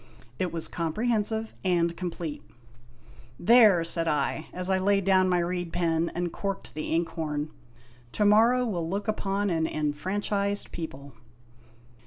It was comprehensive and complete. "There !" said I, as I laid down my reed pen and corked the ink horn. "To morrow will look upon an enfranchised people